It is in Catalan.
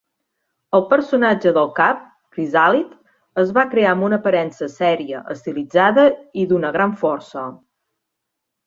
El personatge del cap, Krizalid, es va crear amb una aparença seria, estilitzada i d'una gran força.